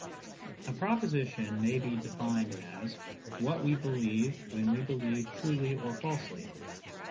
A PROPOSITION may be defined as : What we believe when we believe truly or falsely.